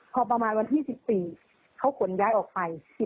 พอประมาณวันที่๑๔เขาขนย้ายออกไป